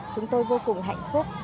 chúng tôi vô cùng hạnh phúc